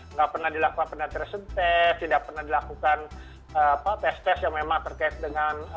nggak pernah dilakukan tersentase tidak pernah dilakukan apa tes tes yang memang terkait dengan